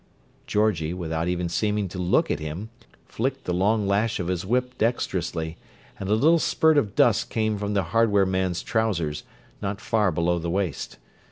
Georgie, without even seeming to look at him, flicked the long lash of his whip dexterously, and a little spurt of dust came from the hardware man's trousers, not far below the waist.